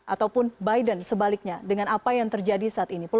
ataupun biden sebaliknya dengan apa yang terjadi saat ini